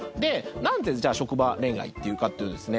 なんでじゃあ職場恋愛というかというとですね。